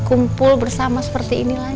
kumpul bersama seperti ini lagi